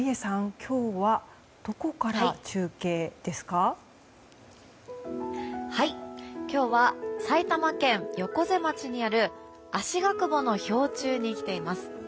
今日は埼玉県横瀬町にあるあしがくぼの氷柱に来ています。